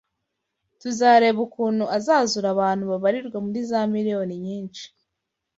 tuzareba ukuntu azazura abantu babarirwa muri za miriyoni nyinshi